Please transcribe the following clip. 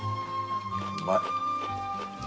うまい。